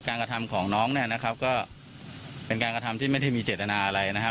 กระทำของน้องเนี่ยนะครับก็เป็นการกระทำที่ไม่ได้มีเจตนาอะไรนะครับ